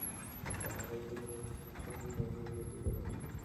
د هغه ژوند مو هم مهم نه دی ګڼلی.